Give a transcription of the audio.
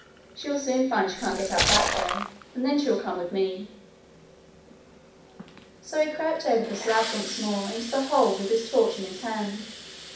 She will soon find she can't get out that way, and then she will come with me.' So he crept over the slab once more into the hole with his torch in his hand.